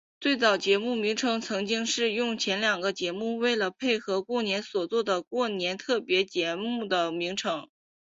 最早节目名称曾经是用前两个节目为了配合过年所做的过年特别节目的名称。